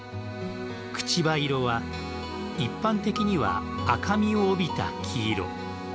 朽葉色は、一般的には赤みを帯びた黄色。